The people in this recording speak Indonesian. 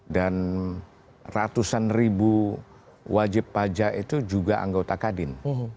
dan ratusan ribu wajib pajak itu juga anggota kadin